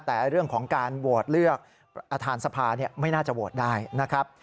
แต่เรื่องของการโหวตเลือกประธานสภาไม่น่าจะโหวตได้นะครับ